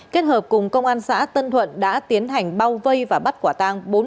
kết hợp cùng công an xã tân thuận đã tiến hành bao vây và bắt quả tang